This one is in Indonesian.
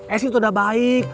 eh sih itu udah baik